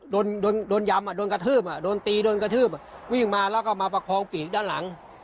โดนโดนยำโดนกระทืบโดนตีโดนกระทืบวิ่งมาแล้วก็มาประคองปีกด้านหลัง